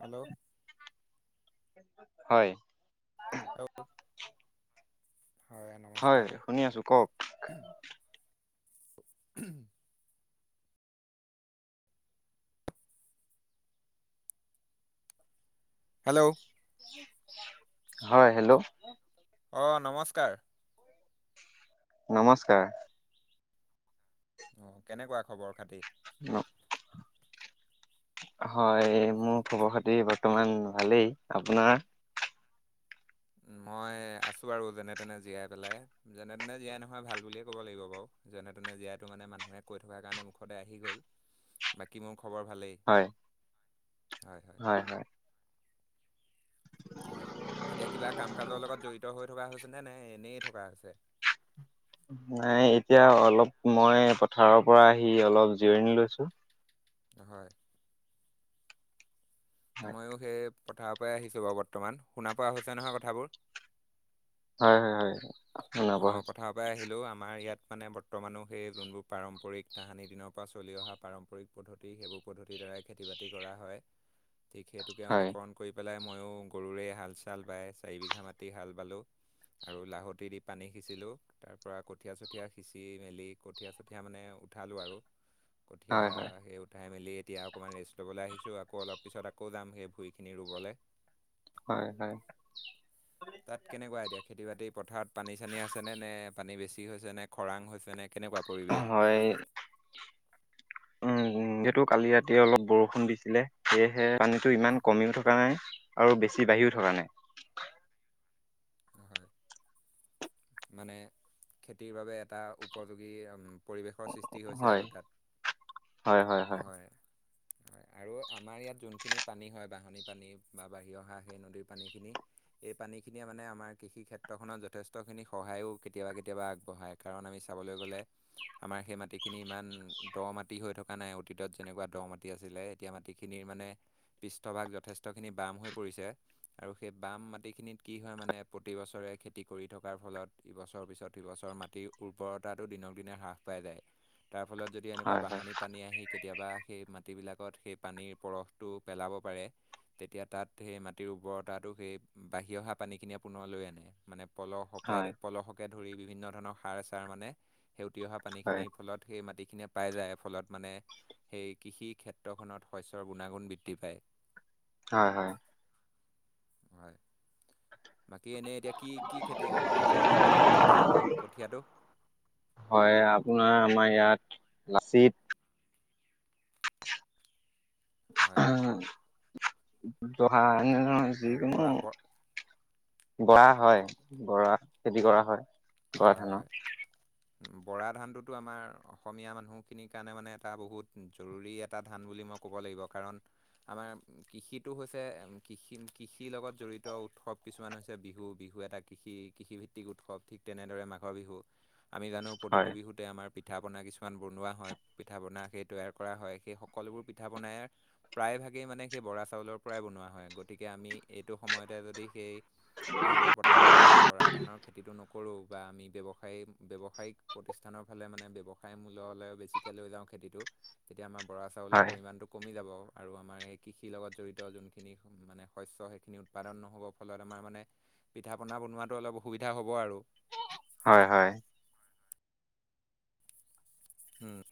Hello হয়। [unintelligible] হয়, নমস্কাৰ। শুনি আছো কওক হেল্ল'? হয়, হেল্ল'? অ', নমস্কাৰ। নমস্কাৰ। অ', কেনেকুৱা খবৰ খাতি? অ'। হয়, মোৰ খবৰ খাতি বৰ্তমান ভালেই, আপোনাৰ? মই আছোঁ বাৰু যেনে তেনে জীয়াই পেলাই, যেনে তেনে জীয়াই নহয় ভাল বুলিয়ে ক'ব লাগিব বাৰু। যেনে তেনে জীয়াইটো মানে মানুহে কৈ থকাৰ কাৰণে, মুখতে আহি গ'ল, বাকী মোৰ খবৰ ভালেই। হয়, হয়, হয়। হয়, এতিয়া কিবা কাম-কাজৰ লগত জড়িত হৈ থকা হৈছেনে, নাই এনেই থকা হৈছে? নাই এতিয়া অলপ মই পথাৰৰ পৰা আহি অলপ জিৰণি লৈছো। হয়। হয় ময়ো সেই পথাৰৰ পৰাই আহিছোঁ বাৰু বৰ্তমান, শুনা পোৱা হৈছে নহয় কথাবোৰ? হয়, হয়, হয়, হয়। অ', পথাৰ আহিলো আমাৰ ইয়াত মানে বৰ্তমানো সেই যোনবোৰ পাৰম্পৰিক তাহানি দিনৰ পৰা চলি অহা পাৰম্পৰিক পদ্ধতি সেইবোৰ পদ্ধতিৰ দ্বাৰাই খেতি বাতি কৰা হয়, ঠিক সেইটোকে হয় অনুকৰণ কৰি পেলাই ময়ো গৰুৰেই হাল-চাল বায় মি হাল বালোঁ আৰু লাহতি পানী সিচিলোঁ। তাৰ পৰাৰা কঠীয়া-চঠীয়া সিঁচি মেলি কঠীয়া-চঠীয়া মানে উঠালোঁ আৰু। কঠীয়া হয় হয় সেই উঠাই মেলি এতিয়া অকণমান ৰেষ্ট ল'বলৈ আহিছোঁ, আকৌ অলপ পিছত আকৌ যাম সেই ভূঁইখিনি ৰুবলৈ। হয়, হয়। তাত কেনেকুৱা এতিয়া খেতি বাতি পথাৰত? পানী চানী আছেনে নে পানী বেছি হৈছে নে খৰাং হৈছেনে কেনেকুৱা? পৰিৱেশ হয়। উম, যিহেটো কালি ৰাতি অলপ বৰষুণ দিছিলে। সেয়েহে পানীতটো ইমান কমিও থকা নাই, আৰু বেছি বাঢ়িও থকা নাই। হয়, মানে খেতিৰ বাবে এটা উপযোগী পৰিৱেশৰ সৃষ্টি হৈছে হয় আৰু তাত হয়। হয় আৰু আমাৰ ইয়াত যোনখিনি পানী হয়, বাঁহনী পানী বা বাহিৰ অহা সেই নদীৰ পানীখিনি। এই পানী খিনিয়ে মানে আমাৰ কৃষি ক্ষেত্ৰখনত যথেষ্টখিনি সহায়ো কেতিয়াবা, কেতিয়াবা আগবঢ়ায় কাৰণ আমি চাবলৈ গ'লে আমাৰ সেই মাটিখিনি ইমান দ মাটি হৈ থকা নাই, অতীতত যেনেকুৱা দ মাটি আছিলে। তেতিয়া মাটিখিনিৰ মানে পৃষ্ঠভাগ যথেষ্টখিনি বাম হৈ পৰিছে, আৰু সেই বাম মাটিখিনিত কি হ'য় মানে প্ৰতিবছৰে খেতি কৰি থকাৰ ফলত, এইবছৰৰ পিছত স বছৰ মাটিৰ উৰ্বৰতাটো দিনক দিনে হ্ৰাস পাই যায়, তাৰ ফলত যদি এনেকুৱা হয় হয় বাঁহৰিনি পানী আহি কেতিয়াবা সেই মাটি বিলাকত সেই পানীৰ পৰশটো পেলাব পাৰে তেতিয়া তাত সেই মাটিৰ উৰ্বৰতাটো, সেই বাঢ়ি অহা পানীখিনি পুনৰ লৈ আনে, মানে পলহকে হয় পলহকে ধৰি বিভিন্ন ধৰণৰ সাৰ চাৰ মানে সেউটি অহা হয় পানীখিনিৰ ফলত সেই মাটিখিনিয়ে পাই যায়, ফলত মানে সেই কৃষি ক্ষেত্ৰখনত শস্যৰ গুণাগুণ বৃদ্ধি পায়। হয় হয়। হয়। বাকী এনেই এতিয়া কি, কি খেতি লগোৱা হৈছে, মানে কি কি ধান, কঠীয়াটো হয় আপোনাৰ আমাৰ ইয়াত, লাচিত হয় হয় হয়, [unintelligible] যিকোনো বৰা ব বৰা হয়, বৰা, খেতি কৰা হয়। অ', বৰা হয় ধানৰ হয়। বৰা ধানটোতো আমাৰ অসমীয়া মানুহখিনিৰ কাৰণে মানে এটা বহুত জৰুৰী এটা ধান বুলি মই ক'ব লাগিব কাৰণ আমাৰ কৃষিটো হৈছে, কৃষি কৃষিৰ লগত জড়িত উৎসৱ কিছুমান হৈছে বিহু, বিহু এটা কৃষি, কৃষিভিত্তিক উৎসৱ ঠিক তেনেদৰে মাঘৰ বিহু আমি জানো হয় প্ৰতিটো বিহুত তে আমাৰ পিঠা পনা কিছুমান বনোৱা হয়, পিঠা পনা সেই তৈয়াৰ কৰা হয় সেই সকলোবোৰ পিঠা বনাই প্ৰায় ভাগেই মানে সেই বৰা চাউলৰ পৰাই বনোৱা হয়, গতিকে আমি এইটো সময়তে যদি সেই হাওঁণ পথাৰখনত বৰা ধানৰ খেতিটো নক কৰোঁ বা আমি ব্যৱসায়ী, ব্যৱসায়িক প্ৰতিষ্ঠানৰ ফালে মানে ব্যৱসায় মূল্যলৈও বেছি লৈ যাওঁ খেতিটো, তেতিয়া আমাৰ বৰা চাউলৰ হয় পৰিমাণটো কমি যাব, আৰু আমাৰ এই কৃষিৰ লগত জড়িত যোনখিনি মানে শস্য সেইখিনি উৎপাদন নহ'ব ফলত আমাৰ মানে, পিঠা পনা বনোৱাতটো অলপ অসুবিধা হ'ব আৰু। হয় হয়। উম।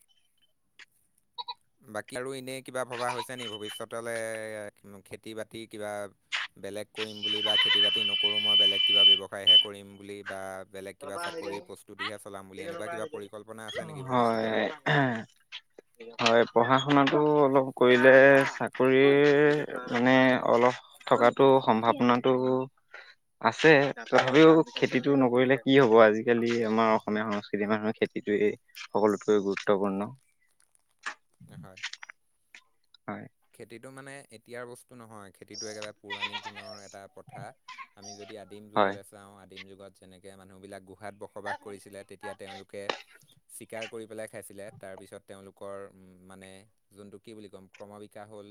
বাকী আৰু এনেই কিবা ভবা হৈছে নেকি ভৱিষ্যতলৈ খেতি বাতি কিবা বেলেগ কৰিম বুলি বা খেতি বাতি নকৰোঁ মই বেলেগ কিবা ব্যৱসায়হে কৰিম বুলি বা বেলেগ কিবা চাকৰিৰ প্ৰস্তুতিহে চলাম বুলি, এনেকুৱা কিবা পৰিকল্পনা আছে নেকি ভৱিষ্যতৰ? [unintelligible] হয়, পঢ়া শুনাতটো অলপ কৰিলে, চাকৰি মানে অলপ থকাতো সম্ভাৱনাটো আছে, তথাপিও খেতিতটো নকৰিলে কি হ'ব আজিকালি, আমাৰ অসমীয়া সংস্কৃতিৰ মানুহৰ খেতিটয়ে সকলোতকৈ গুৰুত্বপূৰ্ণ। হয়। হয়। খেতিটো মানে এতিয়াৰ বস্তু নহয়, খেতিটো একেবাৰে পৌৰাণিক দিনৰ এটা প্ৰথা আমি যদি আদিম হয় যুগলৈ চাওঁ, আদিম যুগত যেনেকৈ মানুহবিলাক গোহাত বসবাস কৰিছিলে তেতিয়া তেওঁলোকে চিকাৰ কৰি পেলাই খাইছিলে, তাৰপিছত তেওঁলোকৰ মানে যোনটো কি বুলি ক'ম ক্ৰম বিকা হ'ল,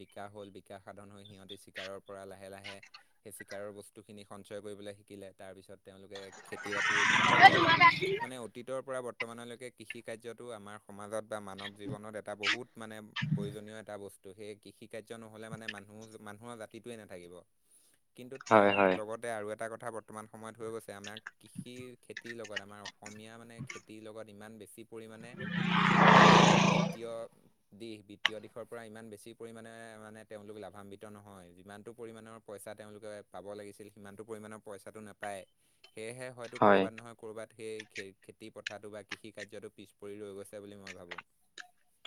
বিকাশ হ'ল। বিকাশ সাধন হৈ সিহঁতি চিকাৰৰ পৰা লাহে, লাহে সেই চিকাৰৰ বস্তুখিনি সঞ্চয় কৰিবলৈ শিকিলে। তাৰপিছত তেওঁলোকে খেতি-বাতি উৎপন্ন কৰিলে। মানে অতীতৰ পৰা বৰ্তমানলৈকে কৃষি কাৰ্যটো আমাৰ সমাজত বা মানৱ জীৱনত এটা বহুত মানে প্ৰয়োজনীয় এটা বস্তু, সেয়ে কৃষি-কাৰ্য নহ'লে মানে মানুহ, মানুহৰ জাতিটোয়ে নাথাকিব। কিন্তু, হয় তাৰ হয় লগতে আৰু এটা কথা বৰ্তমান সময়ত হৈ গৈছে, আমাৰ কৃষি খেতিৰ লগত আমাৰ অসমীয়া মানে খেতিৰ লগত ইমান বেছি পৰিমাণে উম, যোনটো বৃত্তীয় দিশ, বৃত্তীয় দিশ। শৰ, পৰা ইমান বেছি পৰিমাণে মানে তেওঁলোক লাভান্বিত নহয়, যিমানটো পৰিমাণৰ পইচা তেওঁলোকে পাব লাগিছিল, সিমানটো পৰিমাণৰ পইচাটো নাপায়, সেয়েহে হয় টো, ক'ৰবাত নহয়, ক'ৰবাত সেই খেতি প্ৰথাটো বা কৃষি- কাৰ্যটো পিছ পৰি ৰৈ গৈছে বুলি মই ভাবো।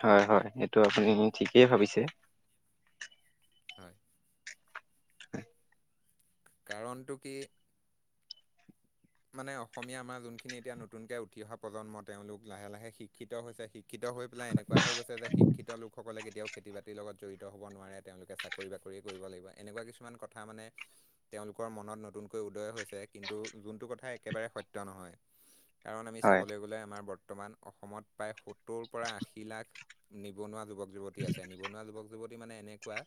হয়, হয়, সেইটো আপুনি ঠিকেই ভাবিছে। হয়। কাৰণটো কি? মানে অসমীয়া আমাৰ যোনখিনি এতিয়া নতুনকৈ উঠি অহা প্ৰজন্ম, তেওঁলোক লাহে, লাহে শিক্ষিত হৈছে, শি ক্ষিত হৈ পেলাই এনেকুৱা হৈ গৈছে যে, শিক্ষিত লোকসকলে কেতিয়াও খেতি-বাতি ৰ লগত জড়িত হ'ব নোৱাৰে। তেওঁলোকে চাকৰি-বাকৰিয়ে কৰিব লাগিব। এনেকুৱা কিছুমান কথা মানে তেওঁলোকৰ মনত নতুনকৈ উদয় হৈছে। কিন্তু, যোনটো কথা থা, একেবাৰে সত্য নহয়। কাৰণ আমি হয় চাবলৈ গ'লে আমাৰ বৰ্ত মান অসমত প্ৰায় সত্তৰ পৰা, আশী লাখ নিবনুৱা যুৱক-যুৱতী আছে। নিবনুৱা যুৱক যুৱতী মানে এনেকুৱা,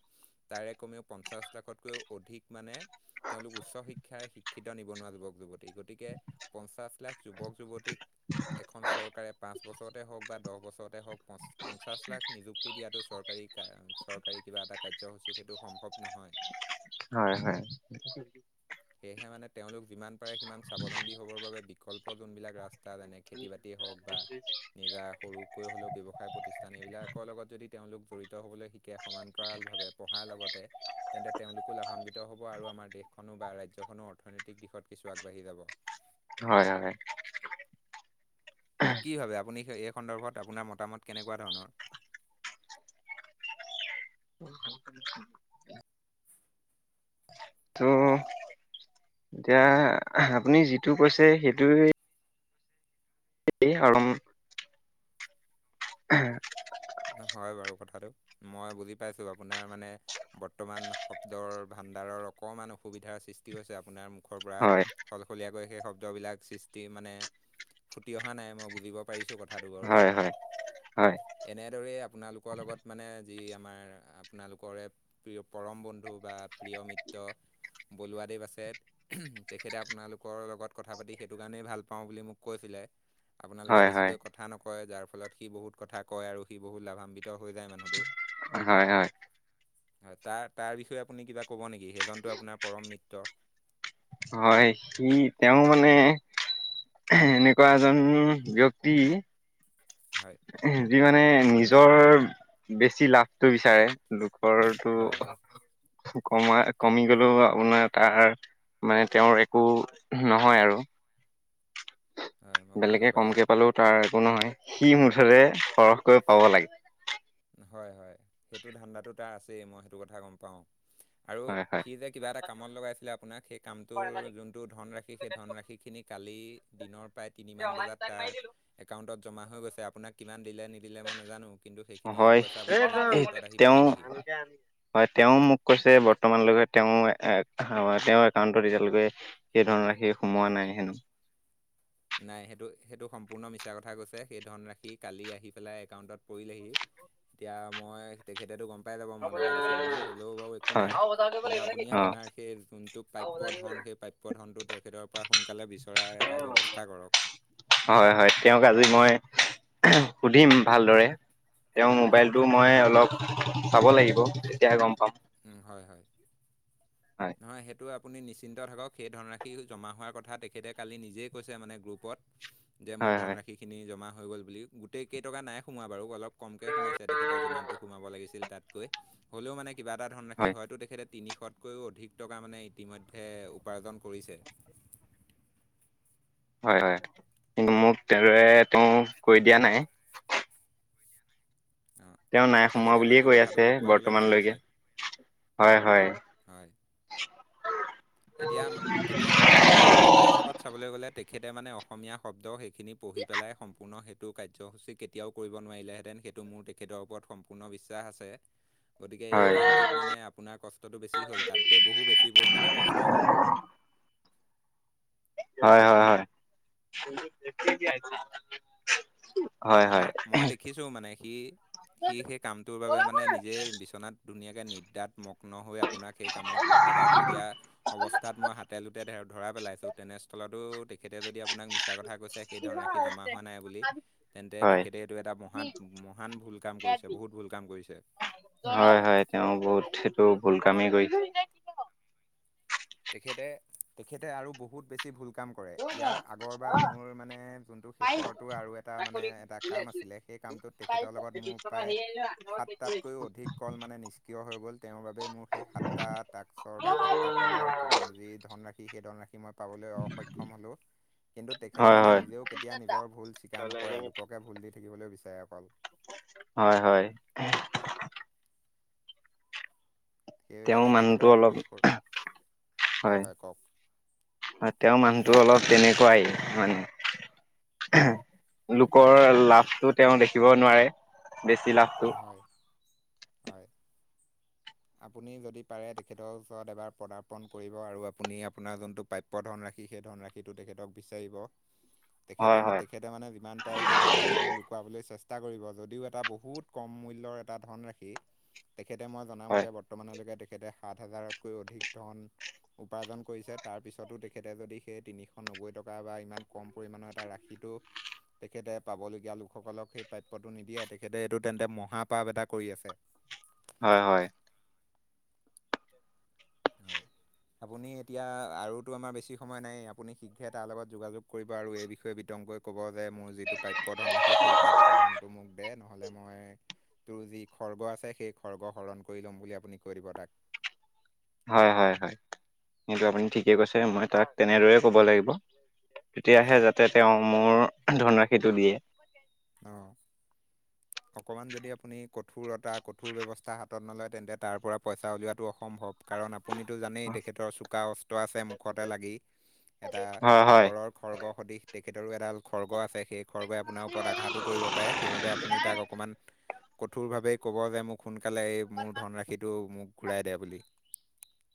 তাৰে কমেও পঞ্চাছ লাখতকৈও অধিক মানে তেওঁলোক উচ্চ শিক্ষাৰে শিক্ষিত নিবনুৱা যুৱক-যুৱ তী, গতীকে, পঞ্চাশ লাখ যুৱক-যুৱতীক এখন চৰকাৰে পাঁচবছৰতে হওঁক বা দহবছৰতে হওঁক, পঞ্চাশলাখ নিযুক্তি ক্তি, দিয়াটো চৰকাৰী, চৰকাৰী কিবা এটা কাৰ্যসূচীত সেইটো সম্ভৱ নহয়। হয়, হয়। সেয়েহে মানে তেওঁলোক যিমান পাৰে সিমান স্বাৱলম্বী হ'বৰ বাবে, বিকল্প যোনবিলাক ৰাস্তা, যেনে খেতি-বাতি হওঁক বা নিজা সৰুকৈ হ'লেও ব্যৱসায় প্ৰতিষ্ঠান, এইবিলাকৰ লগত যদি তেওঁলোক জড়িত হ'বলৈ শিকে, সমান্তৰালভাৱে পঢ়াৰ লগতে, তেন্তে তেওঁলোকো লাভান্বিত হ'ব আৰু আমাৰ দেশখনো বা ৰাজ্যখনো অৰ্থনৈতিক দিশত কিছু আগবাঢ়ি যাব। হয়, হয়। কি ভাবে? আপুনি এই সন্দৰ্ভত আপোনাৰ মতামত কেনেকুৱা ধৰণৰ? [inaudible] ত, এতিয়া, আপুনি যিটো কৈছে, সেইটোৱে এই আৰু [inaudible] নহয়, বাৰু কথাটো। মই বুজি পাইছোঁ আপোনাৰ মানে বৰ্তমান শব্দৰ ভাণ্ডাৰৰ অকণমান অসুবিধাৰ সৃষ্টি হৈছে, আপোনাৰ মুখৰ পৰা। হয় সলসলীয়াকৈ সেই শব্দবিলাক সৃষ্টি মানে ফুটি অহা নাই, মই বুজিব পাৰিছোঁ কথাটো বাৰু। হয় হয় হয় হয় এনেদৰেই আপোনালোকৰ লগত মানে যি আমাৰ আপোনালোকৰে প্ৰিয়-পৰম বন্ধু বা প্ৰিয় মিত্ৰ, বলুৱাদেৱ আছে। তেখেতে আপোনালোকৰ লগত কথা-পাতি সেইটো কাৰণেই ভালপাওঁ বুলি মোক কৈছিলে। আপোনালোকে হয় বেছিকৈ কথা নকয়, যাৰ ফলত সি বহুত কথা কয়, আৰু সি বহুত লাভান্বিত হৈ যায় মানুহটো। হয়, হয়। হয়, তাৰ, তাৰ বিষয়ে আপুনি কিবা ক'ব নেকি? সেইজনতটো আপোনাৰ পৰমমিত্ৰ। হয়, সি তেওঁ মানে এনেকুৱা এজন ব্যক্তি, হয়। যি মানে নিজৰ, বেছি লাভটো বিচাৰে। হয় হয় [unintelligible] টো কমাই কমি গলেও আপোনাৰ তাৰ, মানে তেওঁৰ একো নহয় আৰু। হয় মই বুজিব বেলেগকৈ পাৰিছোঁ কমকে পালো তাৰ একো নহয়, সি মুঠতে সৰহকৈ পাব লাগে। হয়, হয়। সেইটো ধান্দাটো তাৰ আছে মই সেই কথাটো গম পাওঁ। আৰু হয় সি যে কিবা এটা কামত লগাইছিলে আপোনাক সেই কামটোৰ যোনটো ধনৰাশি, সেই ধনৰাশি খিনি কালি দিনৰ প্ৰায় তিনি মান বজাত তাৰ একাউণ্টত জমা হৈ গৈছে আপোনাক কিমান দিলে নিদিলে মই নাজানো। কিন্তু সেই হয়, তেওঁ। [unintelligible] হয় তেওঁ মোক কৈছে বৰ্তমান লৈকে তেওঁ এ তেওঁৰ একাউণ্টত এতিয়ালৈকে সেই ধনৰাশি সোমোৱা নাই হেনো। নাই সেইটো সম্পূৰ্ণ মিছা কথা কৈছে, সেই ধনৰাশি কালি আহি পেলাই একাউণ্টত পৰিলহে। এতিয়া মই, তেখেতেটো গম পাই যাব মই লগাই দিছোঁ বুলি, হ'লেও বাৰু একো হয় নাই। কিন্তু আপুনি অ আপোনাৰ সেই যোনটো পাপ্য ধন, সেই পা প্য ধনটো তেখেতৰ পা সোনকালে বিচাৰি এটা ব্যৱস্থা কৰক। হয়, হয়। তেওঁক আজি মই সুধিম ভালদৰে। তেওঁৰ মোবাইলটো মই অলপ চাব লাগিব, তেতিয়াহে গম পাম। হম হয়, হয়। হয় নহয়, সেইটো আপুনি নিশ্চিন্ত থাকক। সেই ধনৰাশি জমা হোৱাৰ কথা তেখেতে কালি নিজেই কৈছে মানে গ্ৰুপত। যে মোৰ হয় হয় ধনৰাশি খিনি জমা হৈ গ'ল বুলি। গোটেই কেইটকা নাই সোমোৱা বাৰু, অলপ কমকে সোমাইছে তেখেতৰ যিমানটো সোমাব লাগিছিল তাতকৈ। হ'লেও মানে কিবা এটা ধনৰাশি হয় হয়তো তেখেতে তিনিশতকৈও অধিক টকা মানে ইতিমধ্যে উপাৰ্জন কৰিছে। হয়, হয়। কিন্তু মোক তেনেদৰে তেওঁ কৈ দিয়া নাই। অ। তেওঁ নাই সোমোৱা তেখেতে বুলিয়ে হয়তো কৈ কথাটো আছে লুকুৱাবলৈ বিচাৰিছে বৰ্তমানলৈকে। হয়, হয়। হয়। এতিয়া, এতিয়া মইটো এটা হিচাপত চাবলে গলে তেখেতে মানে অসমীয়া শব্দ সেই খিনি পঢ়ি পেলাই সম্পূৰ্ণ সেই টো কাৰ্যসূচী কেতিয়াও কৰিব নোৱাৰিলে হেঁতেন, সেইটোৰ মোৰ তেখেতৰ ওপৰত সম্পূৰ্ণ বিশ্বাস আছে। গতিকে, এই হয় কামটোত মানে আপোনাৰ কষ্টটো বেছি হ'ল, তাতকৈ বহু বেছি পৰিমাণে কষ্ট হ'ল। হয়, হয়, হয়। হয় মই, মই দেখিছো মানে সি সি সেই কামটোৰ বাবেই মানে নিজে বিচনাত ধুনীয়াকে নিদ্ৰাত মগ্ন হৈ আপোনাক সেই কামত, লগাই থৈ দিয়া অৱস্থাত মই হাতে লোতে ধৰা পেলাইছোঁ, তেনেস্থলতো তেখেতে যদি আপোনাক মিছা কথা কৈছে সেই ধনৰাশি জমা হোৱা নাই বুলি, তেন্তে হয় তেখেতে এটো এটা মহান মহান ভুল কাম কৰিছে বহুত ভুল কাম কৰিছে। হয়, হয়। তেওঁ বহুত সেইটো ভুল কামেই কৰিছে। তেখেতে, তেখেতে আৰু বহুত বেছি ভুল কাম কৰে। ইয়াৰ আগৰবাৰ মোৰ মানে যোনটো শেষৰটো আৰু এটা মানে এটা কাম আছিলে, সেই কামটোত তেখেতৰ লগত মোৰ প্ৰায় সাতটাতকৈও অধিক কল মানে নিষ্ক্ৰিয় হৈ গ'ল, তেওঁৰ বাবেই মোৰ সেই সাতটা টাস্কৰ হওক বা সাতটা কলৰ যি ধনৰাশি সেই ধনৰাশি মই পাবলৈ অসক্ষম হলো কিন্তু তেখেতে হয় মানে হয় নিজেও কেতিয়া নিজৰ ভুল স্বীকাৰ নকৰে লোককে ভুল দি থাকিবলৈ বিচাৰে অকল। হয়, হয়। তেওঁৰ সেইবাবে মানুহটো তেখেতৰ যি অলপ হয় হয়, হয় তেওঁৰ মানুহটো হয় হয় অলপ তেনেকুৱাই। হয় নে লোকৰ হয় লাভটো তেওঁ দেখিব নোৱাৰে। বেছি লাভ‌। হয়, হয়। আপুনি যদি পাৰে তেখেতৰ ওচৰত এবাৰ পদাৰ্পণ কৰিব আৰু আপুনি আপোনাৰ যোনটো পায় পোৱা ধনৰাশি সেই ধনৰাশিটো তেখেতক বিচাৰিব তেখে হয় হয় তেখেত তেওঁ মানে যিমান পাৰে সেই ধনৰাশিটো লুকাবলৈ চেষ্টা কৰিব যদিও এটা বহুত কম মূল্যৰ এটা ধনৰাশি। তেখেতে মই হয় জনামতে বৰ্তমানলৈকে তেখেতে সাত হাজাৰতকৈ অধিক ধন উপাৰ্জন কৰিছে তাৰপিছতো তেখেতে যদি সেই তিনিশ নব্বৈ টকা বা ইমান কম পৰিমাণৰ এটা ৰাখি [inaudible] তেখেতে পাবলগীয়া লোকসকলক সেই প্ৰাপ্যটো নিদিয়ে তেখেতে এইটো তেন্তে মহাপাপ এটা কৰি আছে। হয় হয়। হয়। আপুনি এতিয়া আৰুতো আমাৰ বেছি সময় নাই আপুনি শীঘ্ৰে তাৰ লগত যোগাযোগ কৰিব আৰু এই বিষয়ে বিতংকৈ ক'ব যে মোৰ যিটো প্ৰাপ্য ধন ৰাখি সেই প্ৰাপ্য ধনটো মোক দে ন নহ'লে মই তোৰ যি খৰ্গ আছে সেই খৰ্গ হৰণ কৰি ল'ম বুলি আপুনি কৈ দিব তাক। হয় হয় হয় সেইটো আপুনি ঠিকে কৈছে মই তাক তেনেদৰে ক'ব লাগিব। তেতিয়াহে হয় যাতে তেওঁ মোৰ ধনৰাশিটো দিয়ে। অ। অকণমান যদি আপুনি কঠোৰতা কঠোৰ ব্যৱস্থা হাতত নলয় তেন্তে তাৰ পৰা পইচা উলিওৱাটো অসম্ভৱ কাৰণ আপুনিতো জানেই তেখেতৰ চোকা অস্ত্ৰ আছে মুখতে লাগি এটা হয় হয় গড় খৰ্গ সদিশ তেখেতৰো এডাল খৰ্গ আছে সেই খৰ্গই আপোনাৰ পদ আঘাতো কৰিব পাৰে সেইবাবে আপুনি তাক অকণমান কঠোৰভাৱেই ক'ব যে মোক সোনকালে এই মোৰ ধনৰাশিটো মোক ঘূৰাই দে বুলি।